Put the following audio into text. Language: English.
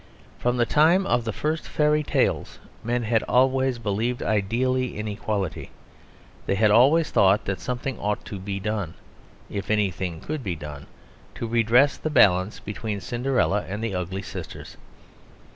From the time of the first fairy tales men had always believed ideally in equality; they had always thought that something ought to be done, if anything could be done, to redress the balance between Cinderella and the ugly sisters.